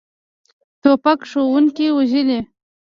توپک ښوونکي وژلي.